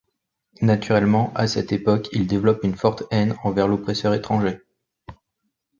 Naturellement, à cette époque, il développe une forte haine envers l’oppresseur étranger.